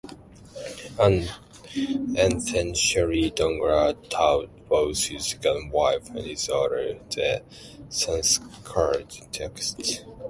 Anant Shastri Dongre taught both his second wife and his daughter the Sanskrit texts.